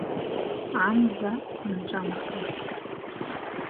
Амза анҵәамҭоуп.